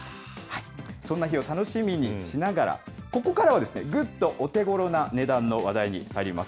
そんな日を楽しみにしながら、ここからは、ぐっとお手ごろな値段の話題にまいります。